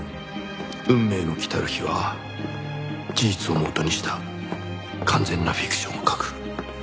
『運命の来たる日』は事実を元にした完全なフィクションを書く。